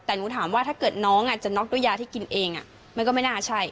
แต่หนูถามว่าถ้าเกิดน้องจะน็อกด้วยยาที่กินเองมันก็ไม่น่าใช่